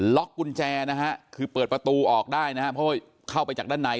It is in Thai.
ล็อกกุญแจนะฮะคือเปิดประตูออกได้นะครับเพราะว่าเข้าไปจากด้านใน